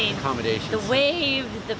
ini luar biasa